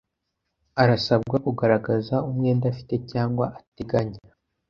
Arasabwa kugaragaza umwenda afite cyangwa ateganya